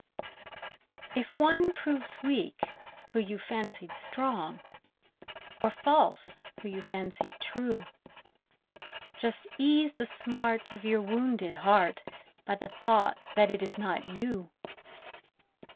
If one proves weak who you fancied strong, Or false who you fancied true, Just ease the smart of your wounded heart By the thought that it is not you!